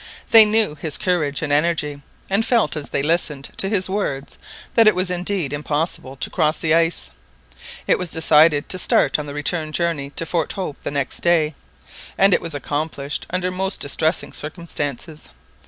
They knew his courage and energy, and felt as they listened to his words that it was indeed impossible to cross the ice. It was decided to start on the return journey to Fort Hope the next day, and it was accomplished under most distressing circumstances.